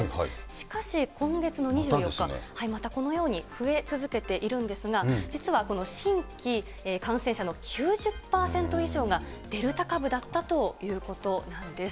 しかし、今月の２４日、またこのように増え続けているんですが、実はこの新規感染者数の９０％以上が、デルタ株だったということなんです。